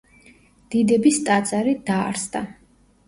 დიდების ტაძარი, დაარსდა.